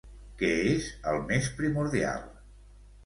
Què és el més primordial?